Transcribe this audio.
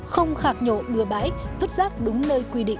không khạc nhộ bừa bãi vứt rác đúng nơi quy định